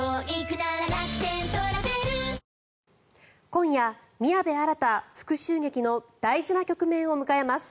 今夜、宮部新復しゅう劇の大事な局面を迎えます。